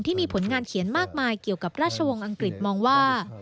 ที่มีผลงานเขียนมากมายเกี่ยวกับราชวงศ์อังกฤษมองว่า